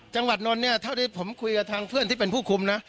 จังหวัดนนท์เนี่ยเท่าที่ผมคุยกับทางเพื่อนที่เป็นผู้คุมนะ